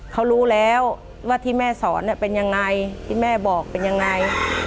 เขารู้แล้วว่าที่แม่สอนเป็นยังไงที่แม่บอกเป็นยังไง